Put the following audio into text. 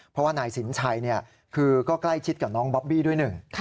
เพราะว่านายสินชัยคือก็ใกล้ชิดกับน้องบอบบี้ด้วยหนึ่ง